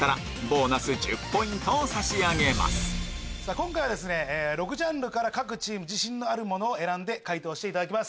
今回は６ジャンルから各チーム自信のあるものを選んで解答していただきます。